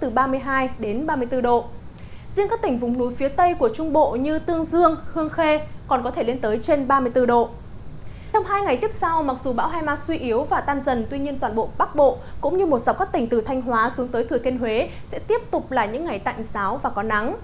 trong hai ngày tiếp sau mặc dù bão hai ma suy yếu và tan dần tuy nhiên toàn bộ bắc bộ cũng như một dọc các tỉnh từ thanh hóa xuống tới thừa thiên huế sẽ tiếp tục là những ngày tạnh giáo và có nắng